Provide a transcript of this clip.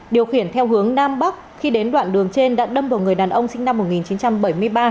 điều khiển theo hướng nam bắc khi đến đoạn đường trên đã đâm vào người đàn ông sinh năm một nghìn chín trăm bảy mươi ba